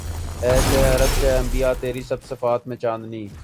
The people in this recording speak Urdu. اے شہ عرب شہ انبیاء تیری سب صفات میں چاندنی